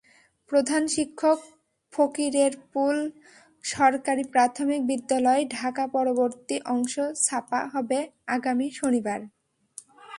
প্রধান শিক্ষক, ফকিরেরপুল সরকারি প্রাথমিক বিদ্যালয়, ঢাকাপরবর্তী অংশ ছাপা হবে আগামী শনিবার।